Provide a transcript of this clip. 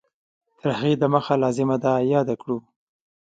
تر هغې د مخه لازمه ده یاده کړو